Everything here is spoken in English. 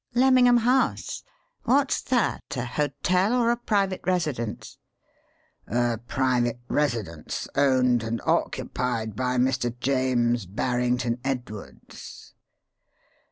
"Lemmingham House? What's that a hotel or a private residence?" "A private residence, owned and occupied by Mr. James Barrington Edwards."